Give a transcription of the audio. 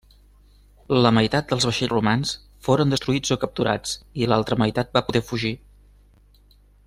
La meitat dels vaixells romans foren destruïts o capturats i l'altra meitat va poder fugir.